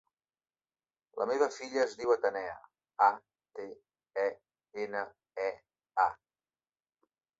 La meva filla es diu Atenea: a, te, e, ena, e, a.